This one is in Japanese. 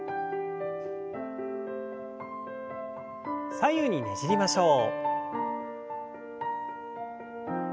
左右にねじりましょう。